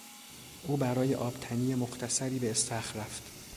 او برای آبتنی مختصری به استخر رفت.